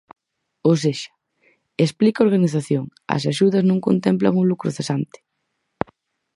Ou sexa, explica a organización, as axudas non contemplan o lucro cesante.